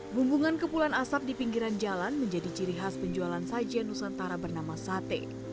bumbungan kepulan asap di pinggiran jalan menjadi ciri khas penjualan sajian nusantara bernama sate